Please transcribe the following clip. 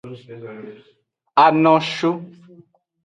Anoshu.